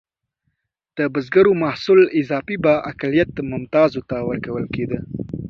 د بزګرو محصول اضافي به اقلیت ممتازو ته ورکول کېده.